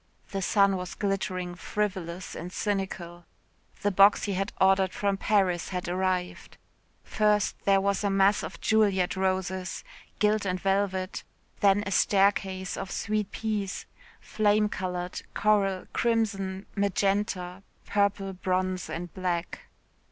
The sun was glittering frivolous and cynical. The box he had ordered from Paris had arrived. First there was a mass of Juliette roses gilt and velvet then a staircase of sweet peas, flame coloured, coral, crimson, magenta, purple, bronze and black.